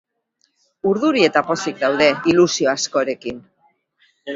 Urduri eta pozik daude, ilusio askorekin.